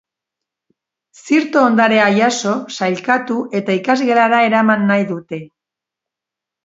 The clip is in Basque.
Zirto ondarea jaso, sailkatu, eta ikasgelara eraman nahi dute.